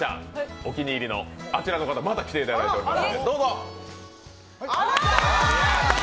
お気に入りのあちらの方、来ていただいています